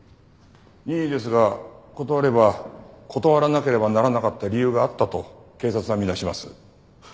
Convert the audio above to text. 任意ですが断れば断らなければならなかった理由があったと警察は見なします。